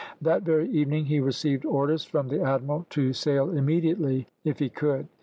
That very evening he received orders from the admiral to sail immediately he could.